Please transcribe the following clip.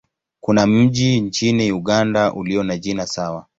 Kuna mji nchini Uganda ulio na jina sawa.